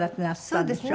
そうですね